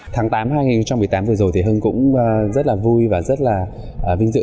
tháng tám hai nghìn một mươi tám vừa rồi thì hưng cũng rất là vui và rất là vinh dự